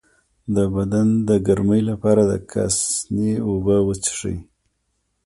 د بدن د ګرمۍ لپاره د کاسني اوبه وڅښئ